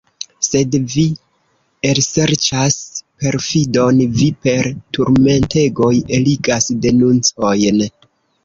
Sed vi elserĉas perfidon, vi per turmentegoj eligas denuncojn.